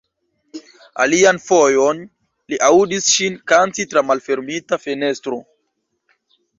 Alian fojon li aŭdis ŝin kanti tra malfermita fenestro.